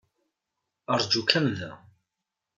Aṛǧu kan da.